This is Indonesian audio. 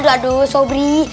aduh aduh sobri